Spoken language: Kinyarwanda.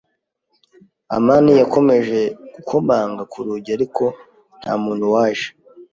amani yakomeje gukomanga ku rugi, ariko nta muntu waje.